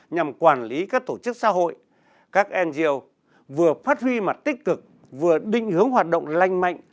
nhằm quản lý các tổ chức xã hội các ngo vừa phát huy mặt tích cực vừa định hướng hoạt động lành mạnh